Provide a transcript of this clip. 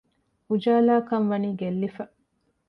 އުޖާލާކަންވަނީ ގެއްލިފަ